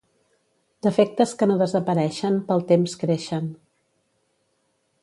Defectes que no desapareixen, pel temps creixen.